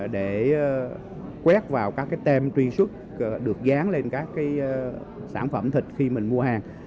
để quét vào các tem truy xuất được dán lên các sản phẩm thịt khi mình mua hàng